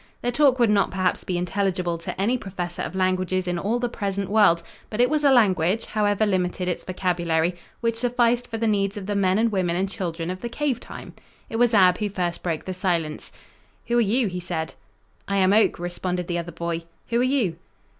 Their talk would not perhaps be intelligible to any professor of languages in all the present world, but it was a language, however limited its vocabulary, which sufficed for the needs of the men and women and children of the cave time. It was Ab who first broke the silence: "Who are you?" he said. "I am Oak," responded the other boy. "Who are you?"